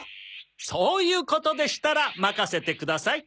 そういうことでしたら任せてください。